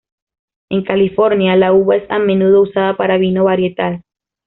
En California, la uva es a menudo usada para vino varietal.